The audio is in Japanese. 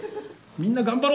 「みんな頑張ろ」